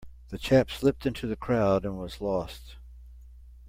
The chap slipped into the crowd and was lost.